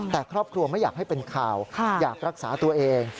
แต่ครอบครัวไม่อยากให้เป็นข่าวอยากรักษาตัวเอง